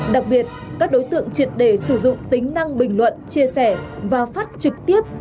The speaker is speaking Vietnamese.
đặc biệt các đối tượng triệt đề sử dụng tính năng bình luận chia sẻ và phát trực tiếp